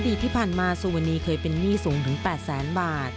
อดีตที่ผ่านมาสุวนีเคยเป็นหนี้สูงถึง๘๐๐บาท